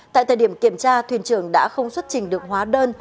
tại thời điểm kiểm tra thuyền trưởng đã không xuất trình được hóa đơn